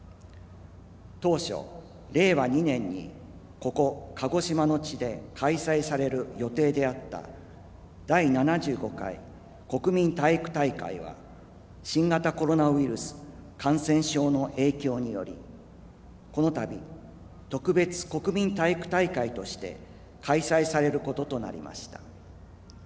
当初、令和２年にここ鹿児島の地で開催される予定であった第７５回国民体育大会は新型コロナウイルス感染症の影響によりこの度、特別国民体育大会として開催されることとなりました。